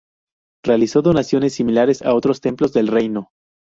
Realizó donaciones similares a otros templos del reino.